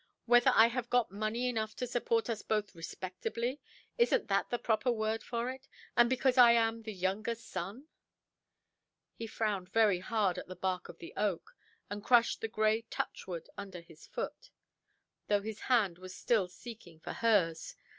"Whether I have got money enough to support us both respectably? Isnʼt that the proper word for it? And because I am the younger son"? He frowned very hard at the bark of the oak, and crushed the grey touchwood under his foot, though his hand was still seeking for hers.